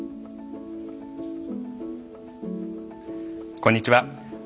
こんにちは。